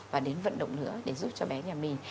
và đến vận động nữa để giúp cho bé nhà mình